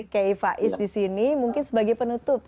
kei faiz disini mungkin sebagai penutup